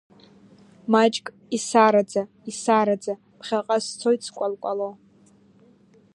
Маҷк исараӡа, исараӡа, ԥхьаҟа сцоит скәалкәало.